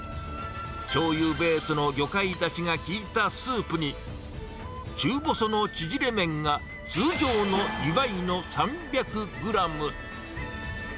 しょうゆベースの魚介だしが効いたスープに、中細の縮れ麺が通常の２倍の３００グラム。